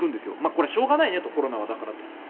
これはしょうがないねとコロナだからと。